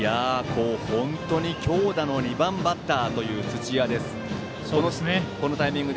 強打の２番バッターという土屋です。